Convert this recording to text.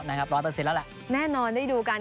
นะครับล่อตะเสร็จแล้วแหละแน่นอนได้ดูกัน